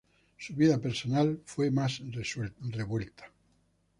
Su vida personal fue más revuelta.